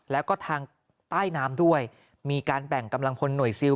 แล้วก็ทางใต้น้ำด้วยมีการแบ่งกำลังพลหน่วยซิล